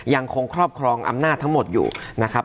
ยังคงครอบครองอำนาจทั้งหมดอยู่นะครับ